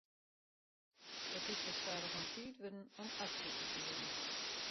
It is sa stadichoan tiid wurden om aksje te fieren.